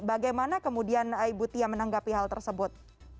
bagaimana kemudian ibutia menanggapi hal tersebut